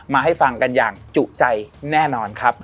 ให้ฟังกันอย่างจุใจแน่นอนครับ